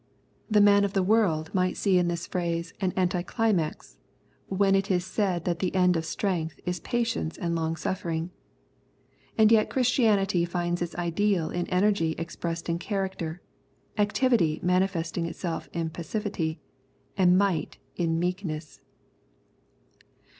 The man of the world might see in this phrase 66 Knowledge and Obedience an anticlimax, when it is said that the end of strength is patience and longsuffering ; and yet Christianity finds its ideal in energy expressed in character, activity manifesting itself in passivity, and might in meekness.